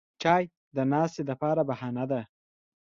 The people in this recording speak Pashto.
چای د ناستې لپاره بهانه ده